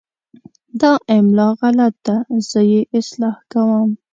دا املا غلط ده، زه یې اصلاح کوم.